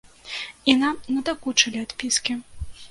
І нам надакучылі адпіскі.